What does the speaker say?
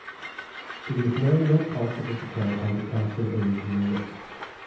It is now not possible to tell how the castle originally looked.